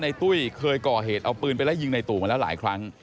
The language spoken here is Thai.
ตุ้ยเคยก่อเหตุเอาปืนไปไล่ยิงในตู่มาแล้วหลายครั้ง